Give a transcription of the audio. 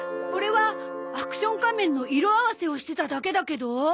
これはアクション仮面の色合わせをしてただけだけど？